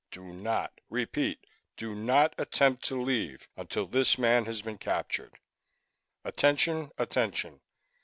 Do not, repeat, do not attempt to leave until this man has been captured. Attention! Attention!